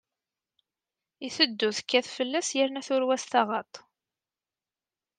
Iteddu tekkat fell-as, yerna turew-as taɣaṭ.